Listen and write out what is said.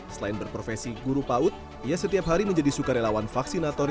selain berprofesi guru paut ia setiap hari menjadi sukarelawan vaksinator